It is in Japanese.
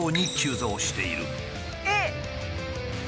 えっ！